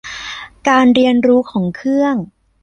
การเรียนรู้ของเครื่อง